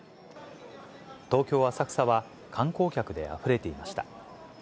東京・浅草は観光客であふれていました。